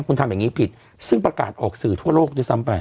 คุณทำอย่างนี้ผิดซึ่งประกาศออกสื่อทั่วโลกด้วยซ้ำไป